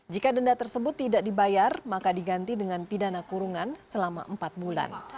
jika denda tersebut tidak dibayar maka diganti dengan pidana kurungan selama empat bulan